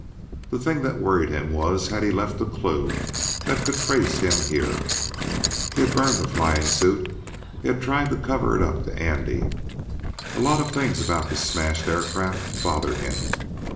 The thing that worried him was had he left a clue that could trace him here? He had burned the flying suit ... he had tried to cover it up to Andy ... A lot of things about the smashed aircraft bothered him.